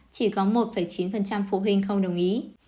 chỉ có một chín phụ huynh không đồng ý